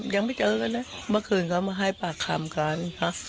ยังไม่เจอกันนะเมื่อคืนเขามาให้ปากคำกันค่ะ